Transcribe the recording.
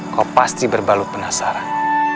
kau pasti berbalut penasaran